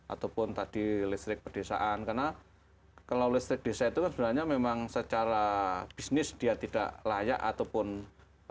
ataupun tadi listrik perdesaan karena kalau listrik desa itu kan sebenarnya memang secara bisnis dia tidak layak ataupun pln tidak mau menyambungkan